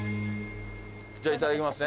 じゃあいただきますね。